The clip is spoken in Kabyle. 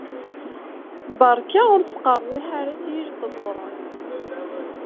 Beṛka ur sqerwiḥ ara s yijeqduren!